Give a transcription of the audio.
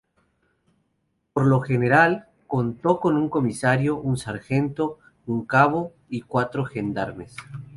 Por lo general contó con un comisario, un sargento, un cabo y cuatro gendarmes.